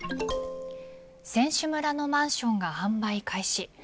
選手村のマンションが販売開始。